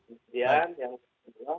entitas yang baru ini yaitu kami